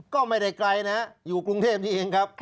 ก็ไม่ได้ไกลนะอยู่กรุงเทพนี้เองครับ